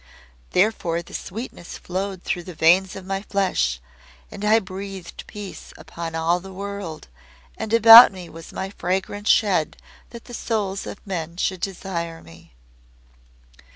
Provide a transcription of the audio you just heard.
Therefore the sweetness flowed through the veins of my flesh, And I breathed peace upon all the world, And about me was my fragrance shed That the souls of men should desire me."